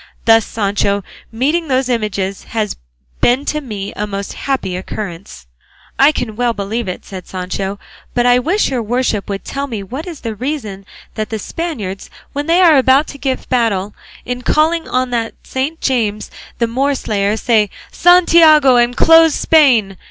Thus, Sancho, meeting those images has been to me a most happy occurrence." "I can well believe it," said Sancho; "but I wish your worship would tell me what is the reason that the Spaniards, when they are about to give battle, in calling on that Saint James the Moorslayer, say 'Santiago and close Spain!